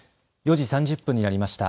４時３０分になりました。